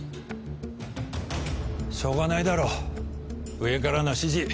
しょうがないだろ上からの指示